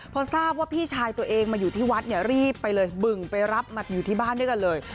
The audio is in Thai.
พอทราบว่าพี่ชายตัวเองมาอยู่ที่วัดเนี่ยรีบไปเลยบึงไปรับมาอยู่ที่บ้านด้วยกันเลย